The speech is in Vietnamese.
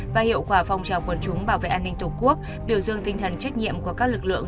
và hiệu quả phong trào quần chúng bảo vệ an ninh tổ quốc biểu dương tinh thần trách nhiệm của các lực lượng